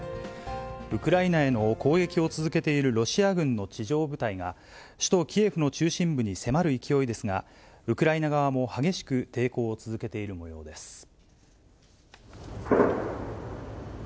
ウクライナへの攻撃を続けているロシア軍の地上部隊が、首都キエフの中心部に迫る勢いですが、ウクライナ側も激しく抵抗を続けているもようです。